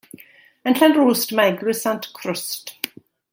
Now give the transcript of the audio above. Yn Llanrwst mae Eglwys Sant Crwst.